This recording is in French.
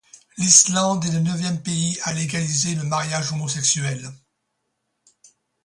L'Islande est le neuvième pays du monde à légaliser le mariage homosexuel.